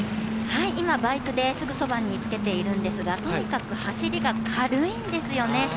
今、バイクですぐそばにつけているんですがとにかく走りが軽いんですよね。